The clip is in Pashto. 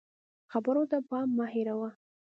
خبرو ته پام مه هېروه